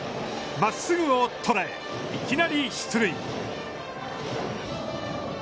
真っすぐを捉え、いきなり出塁。